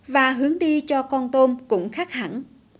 và hướng đi cho con tôm cũng khác hẳn